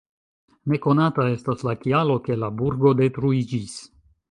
Nekonata estas la kialo, ke la burgo detruiĝis.